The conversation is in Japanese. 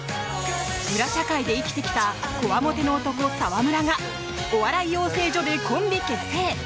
裏社会で生きてきたこわもての男・澤村がお笑い養成所でコンビ結成。